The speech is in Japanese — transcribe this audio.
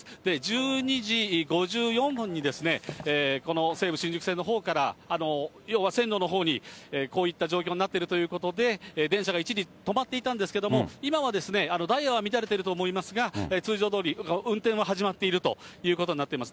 １２時５４分に、この西武新宿線のほうから、要は線路のほうに、こういった状況になっているということで、電車が一時止まっていたんですけれども、今はですね、ダイヤは乱れていると思いますが、通常どおり、運転は始まっているということになってます。